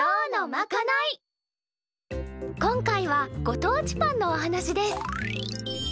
今回はご当地パンのお話です。